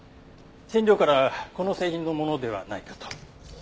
染料からこの製品のものではないかと。